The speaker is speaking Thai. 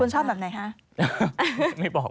คุณชอบแบบไหนคะ